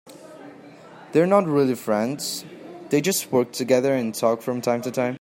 They are not really friends, they just work together and talk from time to time.